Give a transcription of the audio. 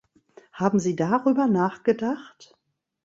Haben Sie darüber nachgedacht?